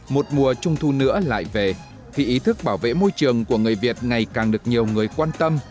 một mùa trung thu nữa lại về khi ý thức bảo vệ môi trường của người việt ngày càng được nhiều người quan tâm